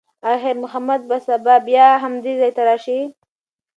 ایا خیر محمد به سبا بیا همدې ځای ته راشي؟